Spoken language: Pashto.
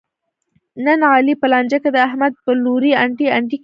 نن علي په لانجه کې د احمد په لوري انډی انډی کېدا.